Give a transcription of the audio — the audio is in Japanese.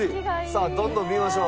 さあどんどん見ましょう。